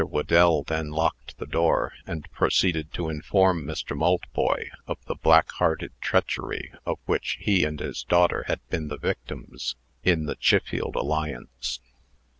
Whedell then locked the door, and proceeded to inform Mr. Maltboy of the black hearted treachery of which he and his daughter had been the victims, in the Chiffield alliance.